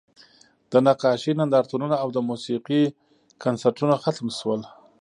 د نقاشۍ نندارتونونه او د موسیقۍ کنسرتونه ختم شول